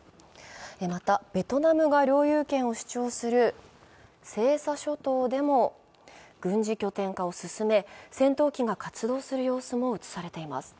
また、ベトナムが領有権を主張する西沙諸島でも、軍事拠点化を進め、戦闘機が活動する様子も写されています。